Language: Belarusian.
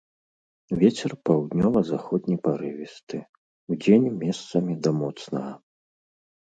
Вецер паўднёва-заходні парывісты, удзень месцамі да моцнага.